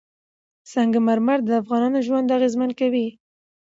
سنگ مرمر د افغانانو ژوند اغېزمن کوي.